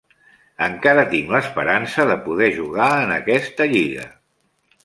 Encara tinc l'esperança de poder jugar en aquesta lliga.